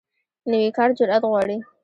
نوی کار جرئت غواړي